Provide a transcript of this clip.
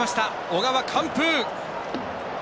小川、完封！